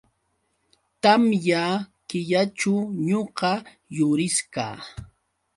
Tamya killaćhu ñuqa yurisqa.